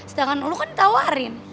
sedangkan lo kan ditawarin